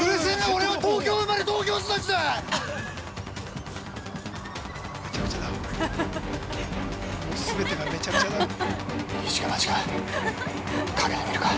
俺は東京生まれ東京育ちだ！